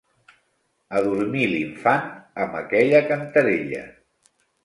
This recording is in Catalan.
Adormí l'infant amb aquella cantarella.